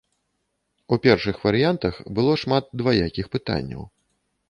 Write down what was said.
У першых варыянтах было шмат дваякіх пытанняў.